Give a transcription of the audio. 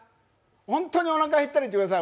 本当におなかへったら言ってください。